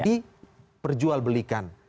di perjual belikan